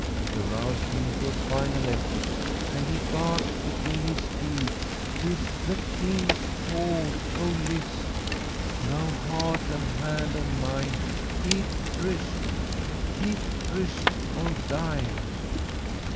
It aroused him to a final effort, and he gasped between his teeth: "''Tis the king's call! O list! Thou heart and hand of mine, keep tryst Keep tryst or die!'